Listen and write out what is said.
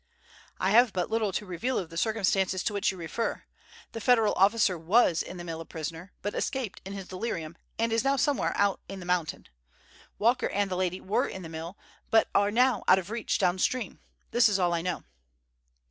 "I have but little to reveal of the circumstances to which you refer. The Federal officer was in the mill a prisoner, but escaped, in his delirium, and is now somewhere out in the mountain. Walker and the lady were in the mill, but are now out of reach, down stream. This is all I know."